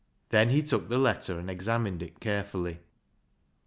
Then he took the letter and examined it care fully.